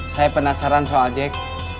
saya penasaran soal jack